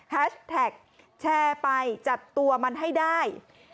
แท็กแชร์ไปจับตัวมันให้ได้